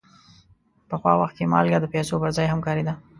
پخوا وخت کې مالګه د پیسو پر ځای هم کارېده.